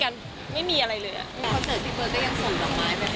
พอเจอที่เบิร์ดได้ยังสนผลังไม้ไหม